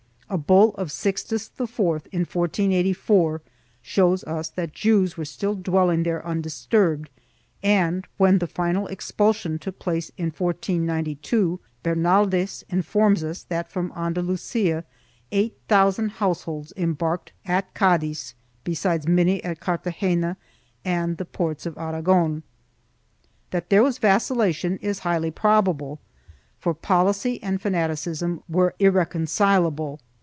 2 A bull of Sixtus IV, in 1484, shows us that Jews were still dwelling there undisturbed and, when the final expulsion took place in 1492, Bernaldez informs us that from Andalusia eight thousand households embarked at Cadiz, besides many at Cartagena and the ports of Aragon.3 That there was vacillation is highly probable, for policy and fanaticism were irreconcilable.